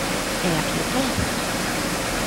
E aquí o ten.